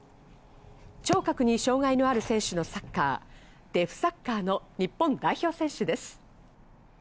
聴覚に障害のある選手のサッカー、デフサッカーの日本代表選手です。